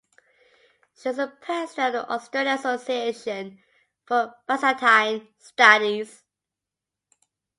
She was the President of the Australian Association for Byzantine Studies.